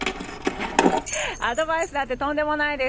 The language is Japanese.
アドバイスなんてとんでもないです。